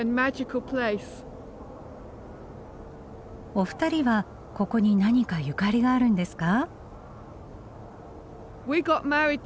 お二人はここに何かゆかりがあるんですか？